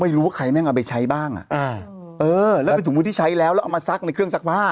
ไม่รู้ว่าใครแม่งเอาไปใช้บ้างอ่ะอ่าเออแล้วเป็นถุงมือที่ใช้แล้วแล้วเอามาซักในเครื่องซักผ้า